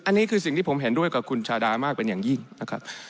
อันนี้คือสิ่งที่ผมเห็นด้วยกับคุณชาดามากเป็นอย่างยิ่งนะครับ